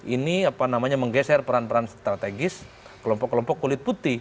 ini apa namanya menggeser peran peran strategis kelompok kelompok kulit putih